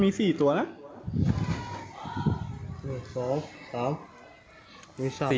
มันต้องมี๔ตัวนะ